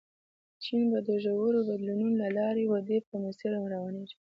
چین به د ژورو بدلونونو له لارې ودې په مسیر روانېږي.